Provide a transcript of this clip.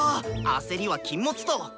焦りは禁物と！